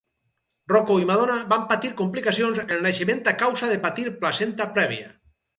Rocco i Madonna van patir complicacions en el naixement a causa de patir placenta prèvia.